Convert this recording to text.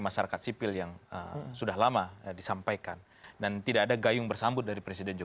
kita akan ulas di segmen berikutnya